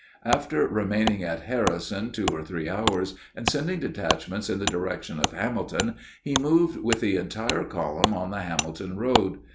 After remaining at Harrison two or three hours, and sending detachments in the direction of Hamilton, he moved with the entire column on the Hamilton road.